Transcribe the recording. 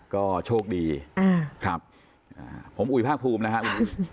ก็โชคดีครับผมอุ๋ยภาคภูมินะครับ